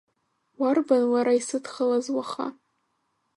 Уарбан уара исыдхалаз уаха…